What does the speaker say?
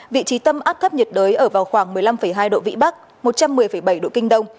vị trí tâm áp thấp nhiệt đới ở vào khoảng một mươi năm hai độ vĩ bắc một trăm một mươi bảy độ kinh đông